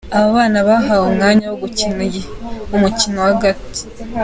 Aba bana bahawe umwanya wo gukina umukino w’agati.